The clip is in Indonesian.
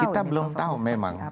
kita belum tahu memang